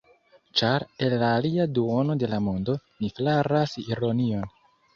Ĉar el la alia duono de la mondo, mi flaras ironion.